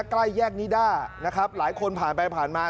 ใกล้แยกนิด้านะครับหลายคนผ่านไปผ่านมา